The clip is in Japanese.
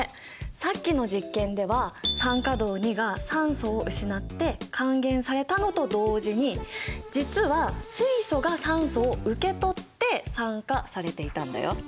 さっきの実験では酸化銅が酸素を失って還元されたのと同時に実は水素が酸素を受け取って酸化されていたんだよ。